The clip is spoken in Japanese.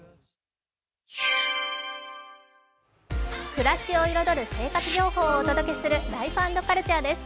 暮らしを彩る生活情報をお届けする「ライフ＆カルチャー」です。